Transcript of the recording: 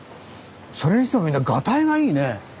それにしてもみんながたいがいいね。